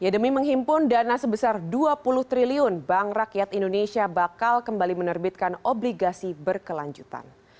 demi menghimpun dana sebesar dua puluh triliun bank rakyat indonesia bakal kembali menerbitkan obligasi berkelanjutan